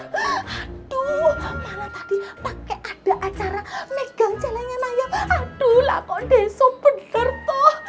aduh mana tadi pake ada acara megang celengan ayam aduh lah kok deso bener toh